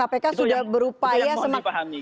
artinya kpk sudah berupaya semaksimal